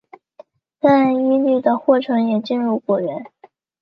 在伊犁的霍城也进入果园。